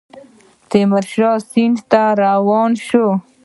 تیمورشاه سند ته روان شو.